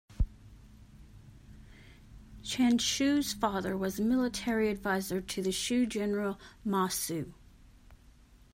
Chen Shou's father was a military adviser to the Shu general Ma Su.